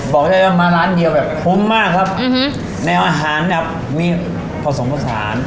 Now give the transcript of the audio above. บอกได้ว่ามาล้านเดียวแบบทมมากครับอื้อฮือแหนวอาหารเนี้ยครับมีผสมผสาน